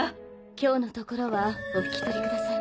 今日のところはお引き取りください。